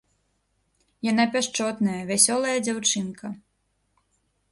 Яна пяшчотная, вясёлая дзяўчынка.